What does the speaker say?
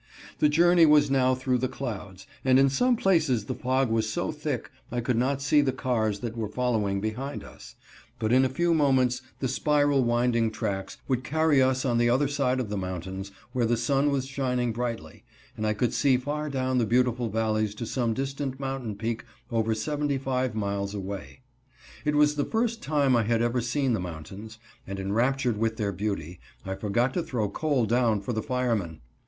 The journey was now through the clouds, and in some places the fog was so thick I could not see the cars that were following behind us, but in a few moments the spiral winding tracks would carry us on the other side of the mountains, where the sun was shining brightly, and I could see far down the beautiful valleys to some distant mountain peak over seventy five miles away. It was the first time I had ever seen the mountains, and enraptured with their beauty, I forgot to throw coal down for the fireman.